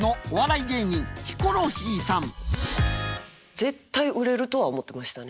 絶対売れるとは思ってましたね